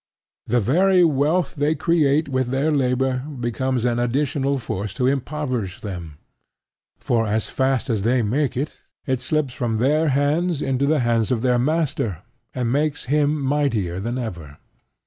The very wealth they create with their labor becomes an additional force to impoverish them; for as fast as they make it it slips from their hands into the hands of their master, and makes him mightier than ever.